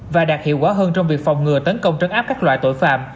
và đạt hiệu quả hơn trong việc phòng ngừa tấn công trấn áp các loại tội phạm